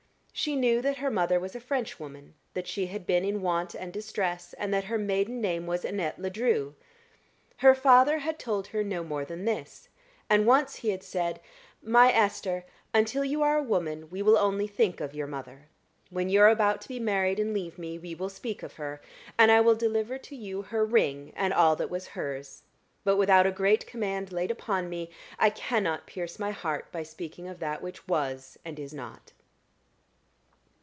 She knew that her mother was a Frenchwoman, that she had been in want and distress, and that her maiden name was Annette Ledru. Her father had told her no more than this; and once, he had said, "My Esther, until you are a woman, we will only think of your mother: when you are about to be married and leave me, we will speak of her, and I will deliver to you her ring and all that was hers; but, without a great command laid upon me, I cannot pierce my heart by speaking of that which was and is not."